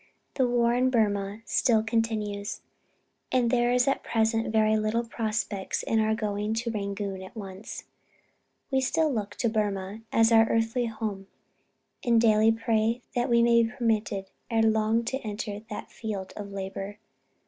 "The war in Burmah still continues, and there is at present very little prospect of our going to Rangoon soon. We still look to Burmah as our earthly home, and daily pray that we may be permitted ere long to enter that field of labor.